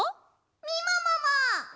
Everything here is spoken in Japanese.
みももも！